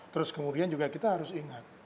terus kemudian juga kita harus ingat